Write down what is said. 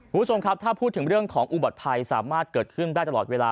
คุณผู้ชมครับถ้าพูดถึงเรื่องของอุบัติภัยสามารถเกิดขึ้นได้ตลอดเวลา